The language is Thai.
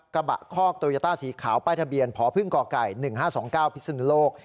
กระบะคอกโตยาต้าสีขาวป้ายทะเบียนผอพึ่งก่อก่าย๑๕๒๙พิศุนโลก